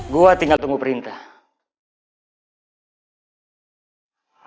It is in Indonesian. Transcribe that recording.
gue tinggal tunggu perintah